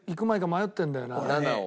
７を。